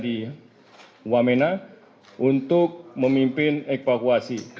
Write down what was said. di wamena untuk memimpin evakuasi